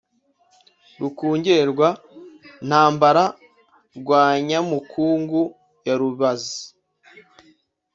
rukungerwa-ntambara rwa nyamukungu ya rubazi